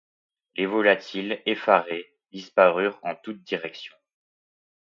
Les volatiles, effarés, disparurent en toutes directions